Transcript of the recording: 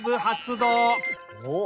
おっ！